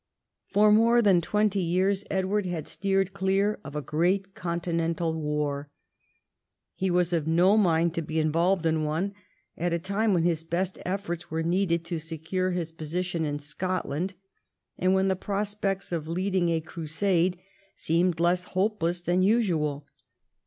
For more than twenty years Edward had steered clear of a great continental war. He was of no mind to be involved in one at a time when his best efforts were needed to secure his position in Scotland, and when the prospects of leading a Crusade seemed less hopeless than usual.